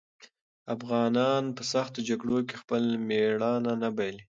افغانان په سختو جګړو کې خپل مېړانه نه بايلي.